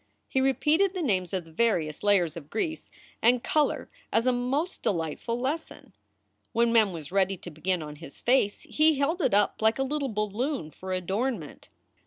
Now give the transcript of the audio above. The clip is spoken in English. He repeated the names of the various layers of grease and color as a most delightful lesson. When Mem was ready to begin on his face he held it up like a little balloon for adornment.